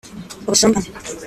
ubusumbane